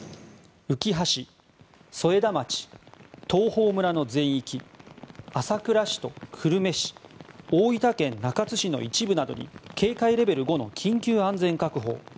うきは市、添田町、東峰村の全域朝倉市と久留米市大分県中津市の一部などに警戒レベル５の緊急安全確保。